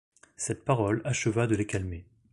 Cette parole acheva de les calmer.